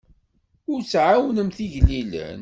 Ur tɛawnemt igellilen.